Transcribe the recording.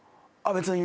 別に。